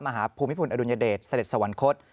มหาภูมิภุนอดุณเยเดชสำเด็จสวรรคศ